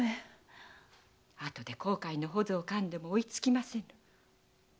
あとで後悔の臍を噬んでも追いつきませぬ。